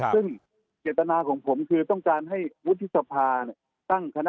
ซึ่งเกตนาของผมคือต้องการให้มุจิสภาษณ์